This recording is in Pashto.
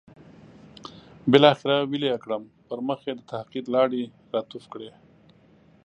بالاخره ویلې یې کړم، پر مخ یې د تحقیر لاړې را توف کړې.